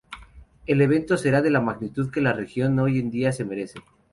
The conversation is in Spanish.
El evento "será de la magnitud que la región hoy día se merece.